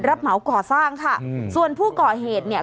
เหมาก่อสร้างค่ะอืมส่วนผู้ก่อเหตุเนี่ย